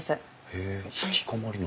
へえ引きこもりの。